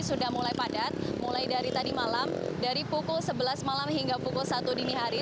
sudah mulai padat mulai dari tadi malam dari pukul sebelas malam hingga pukul satu dini hari